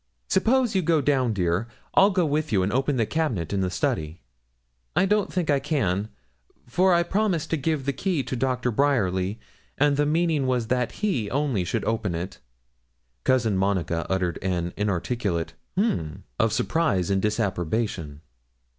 Suppose you go down, dear I'll go with you, and open the cabinet in the study.' 'I don't think I can, for I promised to give the key to Dr. Bryerly, and the meaning was that he only should open it.' Cousin Monica uttered an inarticulate 'H'm!' of surprise or disapprobation.